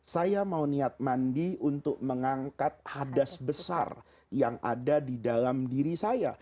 saya mau niat mandi untuk mengangkat hadas besar yang ada di dalam diri saya